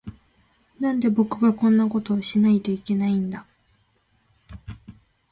なんで、僕がこんなことをしないといけないんだ。